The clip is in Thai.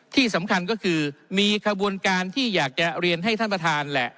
ที่สำคัญก็คือมีขบวนการที่อยากจะเรียนให้ท่านประธานแหละ